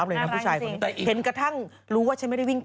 อืมน่ารักจริง